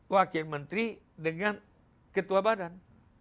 wakil menteri dengan ketua badan